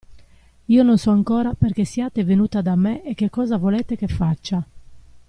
Io non so ancora perché siate venuta da me e che cosa volete che faccia.